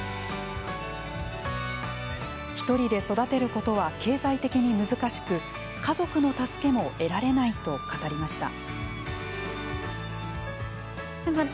一人で育てることは経済的に難しく家族の助けも得られないと語りました。